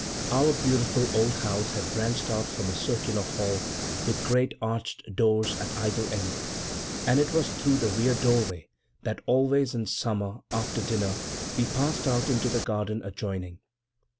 Our beautiful old house branched out from a circular hall with great arched doors at either end; and it was through the rear doorway that always in summer, after dinner, we passed out into the garden adjoining.